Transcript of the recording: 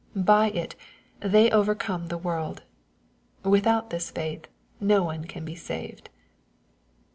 By it they overcome the world. With* out this faith no one can be saved.